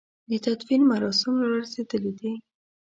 د تدفين مراسم را رسېدلي دي.